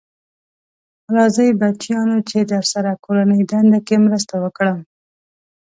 راځی بچیانو چې درسره کورنۍ دنده کې مرسته وکړم.